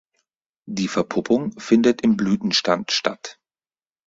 Die Verpuppung findet im Blütenstand statt.